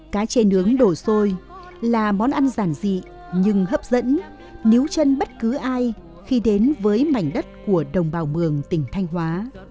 cá chê nướng đổ xôi là món ăn giản dị nhưng hấp dẫn nếu chân bất cứ ai khi đến với mảnh đất của đồng bào mường tỉnh thanh hóa